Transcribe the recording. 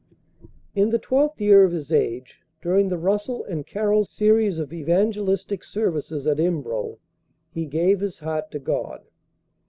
In the twelfth year of his age, during the Russell and Carroll series of evangelistic services at Embro, he gave his heart to God.